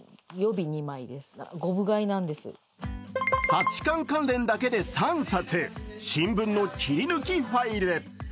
八冠関連だけで３冊新聞の切り抜きファイル。